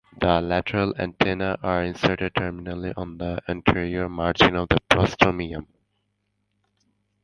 The lateral antennae are inserted terminally on the anterior margin of the prostomium.